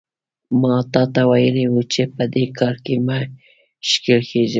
ما تاته ویلي وو چې په دې کار کې مه ښکېل کېږه.